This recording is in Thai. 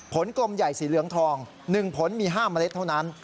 กลมใหญ่สีเหลืองทอง๑ผลมี๕เมล็ดเท่านั้น